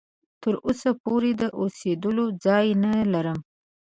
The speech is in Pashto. تر اوسه پوري د اوسېدلو ځای نه لرم.